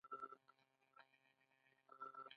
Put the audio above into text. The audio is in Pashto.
آیا د اسونو ځغلول یوه لرغونې لوبه نه ده؟